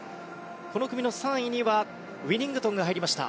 この組の３位にはウィニングトンが入りました。